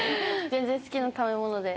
全然好きな食べ物で。